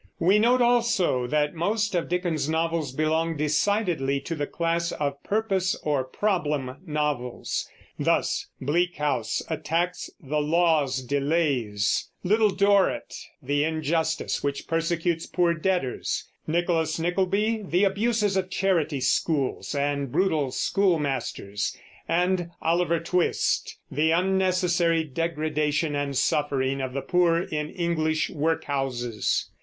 We note also that most of Dickens's novels belong decidely to the class of purpose or problem novels. Thus Bleak House attacks "the law's delays"; Little Dorrit, the injustice which persecutes poor debtors; Nicholas Nickleby, the abuses of charity schools and brutal schoolmasters; and Oliver Twist, the unnecessary degradation and suffering of the poor in English workhouses.